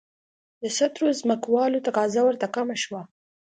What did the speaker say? د سترو ځمکوالو تقاضا ورته کمه شوه.